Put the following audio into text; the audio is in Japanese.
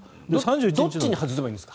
どっちに外せばいいんですか？